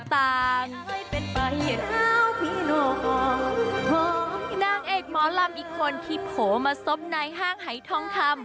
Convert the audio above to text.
นางเอกหมอลำอีกคนที่โผล่มาซบในห้างหายทองคำ